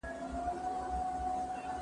ښوونکي ماشومان تل هڅوي.